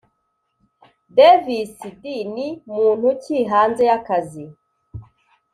davis d ni muntu ki hanze y’akazi